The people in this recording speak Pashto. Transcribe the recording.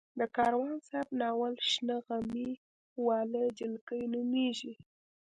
د کاروان صاحب ناول شنه غمي واله جلکۍ نومېږي.